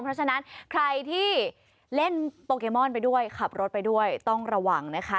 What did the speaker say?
เพราะฉะนั้นใครที่เล่นโปเกมอนไปด้วยขับรถไปด้วยต้องระวังนะคะ